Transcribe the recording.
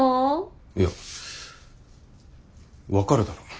いや分かるだろ。